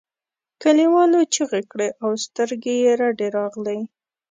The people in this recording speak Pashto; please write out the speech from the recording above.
کليوالو چیغې کړې او سترګې یې رډې راغلې.